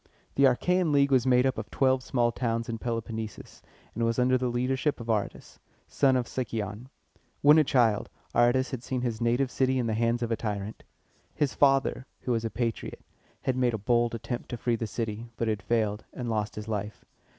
The Achæan League was made up of twelve small towns in the Peloponnesus, and was under the leadership of A ra´tus, a native of Sic´y on. When a child, Aratus had seen his native city in the hands of a tyrant. His father, who was a patriot, had made a bold attempt to free the city, but had failed, and lost his life.